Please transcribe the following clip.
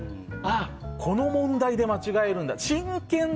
この問題で間違えるんだ。